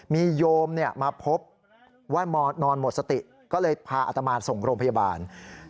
มีโยมมาพบว่านอนหมดสติก็เลยพาอัตมานส่งโรงพยาบาล